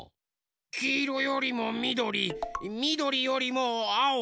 きいろよりもみどりみどりよりもあお。